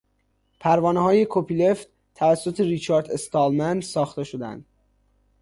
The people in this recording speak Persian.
پروانههای کپیلفت توسط ریچارد استالمن ساخته شدهاند